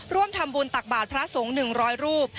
ร่วมทำบุญตักบาลพระสงข์หนึ่งร้อยรูป